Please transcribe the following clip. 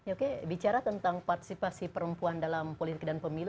oke bicara tentang partisipasi perempuan dalam politik dan pemilu